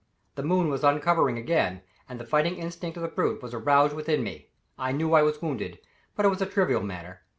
The moon was uncovering again, and the fighting instinct of the brute was aroused within me. I knew I was wounded, but it was a trivial matter.